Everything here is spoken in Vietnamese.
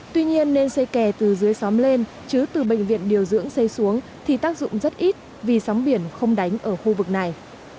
tuy nhiên nên xây kè từ dưới xóm lên chứ từ bệnh viện điều dưỡng xây xuống thì tác dụng rất ít vì sóng biển không đánh ở khu vực này